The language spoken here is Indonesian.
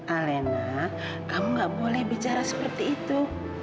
alena kamu gak boleh bicara seperti itu